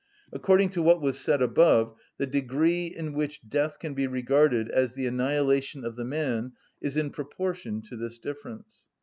According to what was said above, the degree in which death can be regarded as the annihilation of the man is in proportion to this difference.